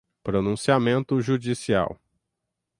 pronunciamento judicial